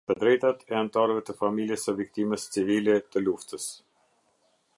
Të drejtat e anëtarëve të familjes së viktimës civile të luftës.